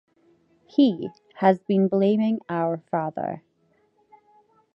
He has been blaming our father.